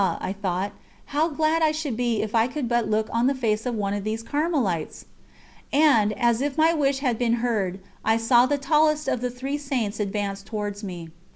I thought, "how glad I should be if I could but look on the face of one of these Carmelites!" And, as if my wish had been heard, I saw the tallest of the three Saints advance towards me.